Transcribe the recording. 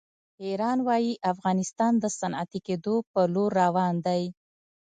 ایران وایي افغانستان د صنعتي کېدو په لور روان دی.